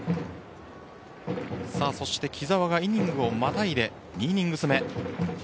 そして木澤がイニングをまたいで２イニングス目。